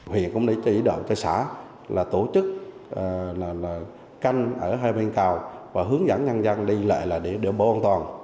huyện cũng đã chỉ đợi cho xã là tổ chức canh ở hai bên cầu và hướng dẫn nhân dân đi lệ là để bố an toàn